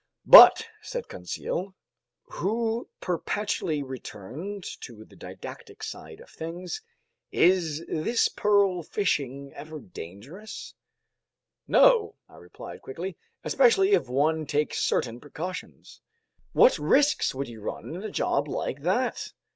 "But," said Conseil, who perpetually returned to the didactic side of things, "is this pearl fishing ever dangerous?" "No," I replied quickly, "especially if one takes certain precautions." "What risks would you run in a job like that?"